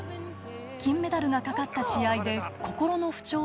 金メダルがかかった試合で心の不調を訴え